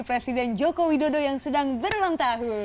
presiden jokowi dodo yang sedang berulang tahun